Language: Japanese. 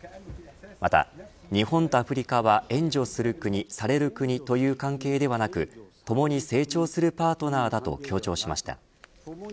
また日本とアフリカは援助する国される国という関係ではなくともに成長するパートナーだと強調しました。